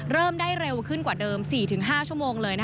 เริ่มได้เร็วขึ้นกว่าเดิม๔๕ชั่วโมงเลย